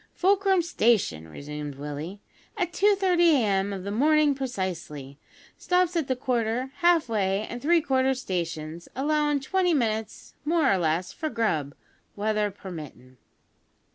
"Fulcrum Station," resumed Willie, "at 2:30 a.m. of the mornin' precisely. Stops at the Quarter, Half way, an' Three quarter Stations, allowin' twenty minutes, more or less, for grub weather permittin'."